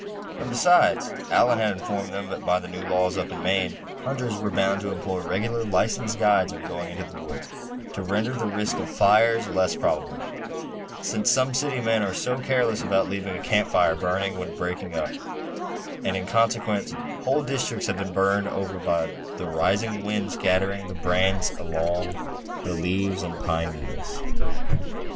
And besides, Allan had informed them that by the new laws up in Maine, hunters were bound to employ regular licensed guides when going into the woods, to render the risk of fires less probable; since some city men are so careless about leaving a camp fire burning when breaking up; and in consequence whole districts have been burned over by the rising wind scattering the brands among the leaves and pine needles.